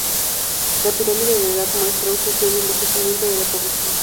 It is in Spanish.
La pirámide de edad muestra un sensible envejecimiento de la población.